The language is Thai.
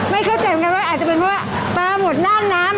ไม่เข้าใจว่าอาจจะเป็นว่าปลาหมดหน้าน้ำ